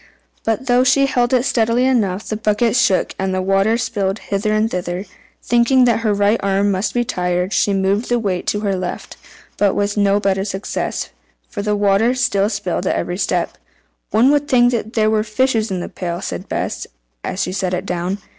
But though she held it steadily enough, the bucket shook, and the water spilled hither and thither. Thinking that her right arm might be tired, she moved the weight to her left, but with no better success, for the water still spilled at every step. "One would think there were fishes in the pail," said Bess, as she set it down.